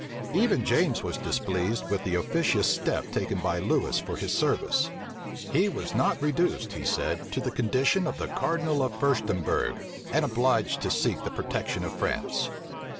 Even James was displeased with the officious step taken by Lewis for his service. He was not reduced, he said, to the condition of the cardinal of Furstemberg, and obliged to seek the protection of France.